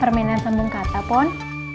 permainan sembung kata pon